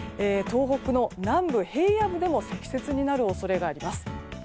東北の南部、平野部でも積雪になる恐れがあります。